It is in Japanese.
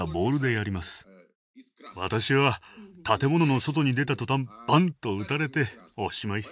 私は建物の外に出た途端「バン！」と撃たれておしまい。